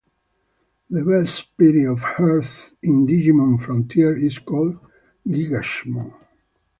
The Beast Spirit of Earth in "Digimon Frontier" is called Gigasmon.